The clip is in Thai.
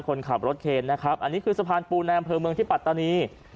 คนขับรถเคล้นนะครับอันนี้คือสะพานปูน้ำเผลอเมืองชิปตะนี